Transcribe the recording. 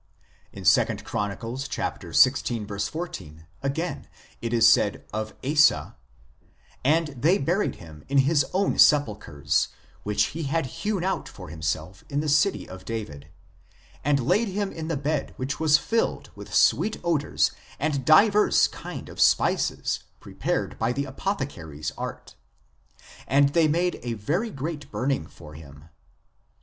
In 2 Chron. xvi. 14, again, it is said of Asa :" And they buried him in his own sepul chres, which he had hewn out for himself in the city of David, and laid him in the bed which was filled with sweet odours and divers kind of spices prepared by the apothecaries art ; and they made a very great burning for him."